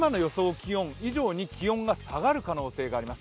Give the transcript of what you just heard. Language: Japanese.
気温以上に気温が下がる可能性があります。